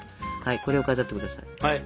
これを飾って下さい。